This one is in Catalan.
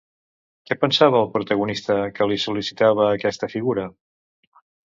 Què pensava el protagonista que li sol·licitava aquesta figura?